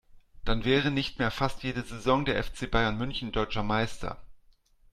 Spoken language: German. Dann wäre nicht mehr fast jede Saison der FC Bayern München deutscher Meister.